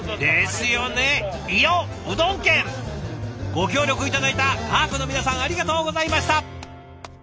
ご協力頂いた画伯の皆さんありがとうございました！